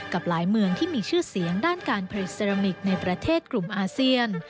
กับหลายเมืองที่มีชื่อเสียงด้านการผลิตเซรามิกในประเทศกลุ่มอาเซียน